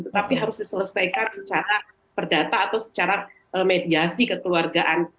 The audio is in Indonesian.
tetapi harus diselesaikan secara perdata atau secara mediasi kekeluargaan